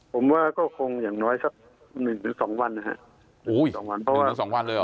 ผมว่าก็คงอย่างน้อยสัก๑๒วันนะครับ๑๒วันเลยหรอ